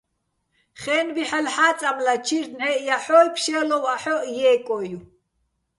ხე́ნბი ჰ̦ალო̆ ჰ̦აწამლა, ჩირთ ნჵაჲჸ ჲაჰ̦ოჲ, ფშე́ლოვ აჰოჸ ჲე́კოჲო̆.